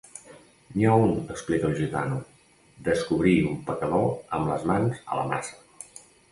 N'hi ha un, explica el gitano: descobrir un pecador amb les mans a la massa.